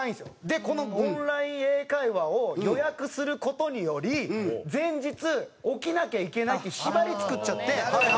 でこのオンライン英会話を予約する事により前日起きなきゃいけないという縛り作っちゃって。